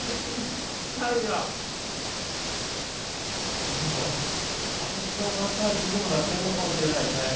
これでも足ツボマッサージにもなってるのかもしれないですね。